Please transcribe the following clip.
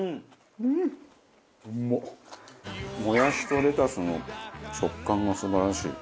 もやしとレタスの食感が素晴らしい。